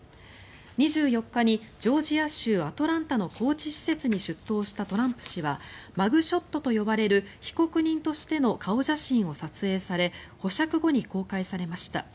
２４日にジョージア州アトランタの拘置施設に出頭したトランプ氏はマグショットと呼ばれる被告人としての顔写真を撮影され保釈後に公開されました。